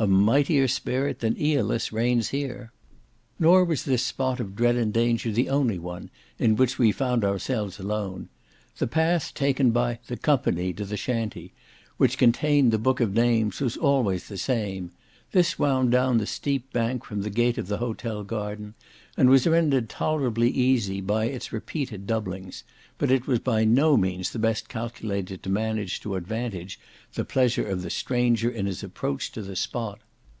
A mightier spirit than Aeolus reigns here. Nor was this spot of dread and danger the only one in which we found ourselves alone. The path taken by "the company" to the shantee, which contained the "book of names" was always the same; this wound down the steep bank from the gate of the hotel garden, and was rendered tolerably easy by its repeated doublings; but it was by no means the best calculated to manage to advantage the pleasure of the stranger in his approach to the spot.